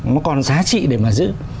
nó còn giá trị để mà giữ